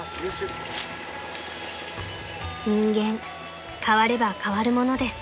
［人間変われば変わるものです］